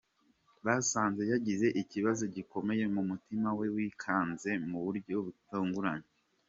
basanze yagize ikibazo gikomeye mu mutima we wikanze mu buryo butunguranye.